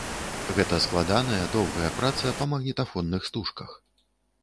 Гэта складаная, доўгая праца па магнітафонных стужках.